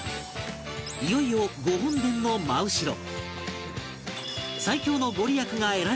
いよいよ御本殿の真後ろ